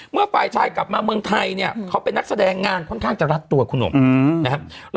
เมื่อฝ่ายชายกลับมาเมืองไทยเนี่ยเขาเป็นนักแสดงงานค่อนข้างจะรัดตัวคุณหนุ่มนะครับ